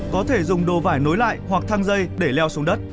có thể dùng đồ vải nối lại hoặc thang dây để leo xuống đất